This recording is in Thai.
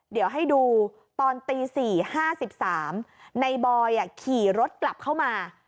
เดี๋ยวให้ดูตอนตี๔๕๓ในบอยขี่รถกลับเข้ามา